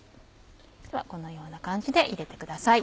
このような感じで入れてください。